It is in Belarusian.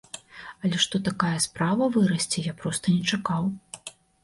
Але што такая справа вырасце, я проста не чакаў.